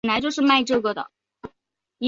故事讲述华家与司徒家的一段大战。